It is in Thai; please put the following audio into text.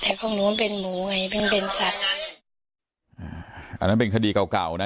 แต่ของนู้นเป็นหนูไงเพิ่งเป็นสัตว์อ่าอันนั้นเป็นคดีเก่าเก่านะ